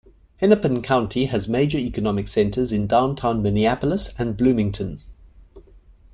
Hennepin County has major economic centers in downtown Minneapolis and Bloomington.